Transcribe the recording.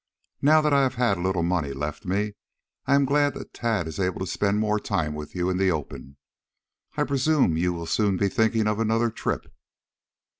Now that I have had a little money left me, I am glad that Tad is able to spend more time with you in the open. I presume you will soon be thinking of another trip."